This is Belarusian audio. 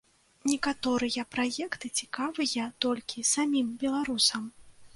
Некаторыя праекты цікавыя толькі самім беларусам.